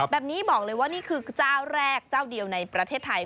แบบนี้บอกเลยว่านี่คือเจ้าแรกเจ้าเดียวในประเทศไทย